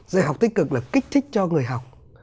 dạy học tích cực là kích thích cho người học